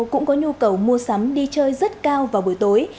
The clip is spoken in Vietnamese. cũng có nhu cầu mua sắm đi chơi rất cao vào buổi tối